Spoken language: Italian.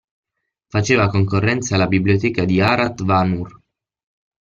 Faceva concorrenza alla biblioteca di Arat Vanur.